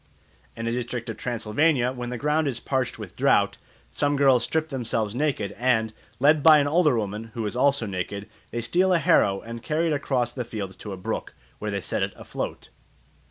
In a district of Transylvania when the ground is parched with drought, some girls strip themselves naked, and, led by an older woman, who is also naked, they steal a harrow and carry it across the fields to a brook, where they set it afloat.